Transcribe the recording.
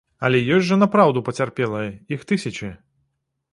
Але ёсць жа напраўду пацярпелыя, іх тысячы.